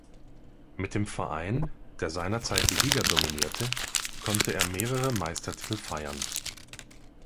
Mit dem Verein, der seinerzeit die Liga dominierte, konnte er mehrere Meistertitel feiern.